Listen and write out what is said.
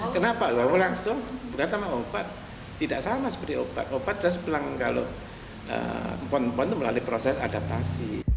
kenapa langsung bukan sama obat tidak sama seperti obat obat saya sepelang kalau empon empon itu melalui proses adaptasi